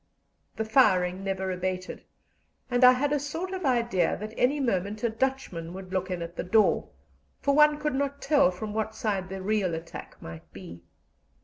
The firing never abated, and I had a sort of idea that any moment a Dutchman would look in at the door, for one could not tell from what side the real attack might be.